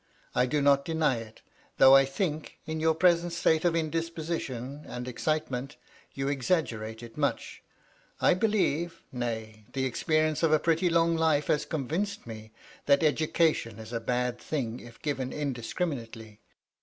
I do not deny it, though I think, in your present state of indisposition and excitement, you exaggerate it much. I believe — ^nay, the experience of a pretty long life has convinced me — that education is a bad thing, if given indiscriminately.